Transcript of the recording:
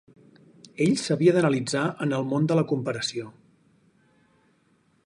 Ell s'havia d'analitzar en el món de la comparació.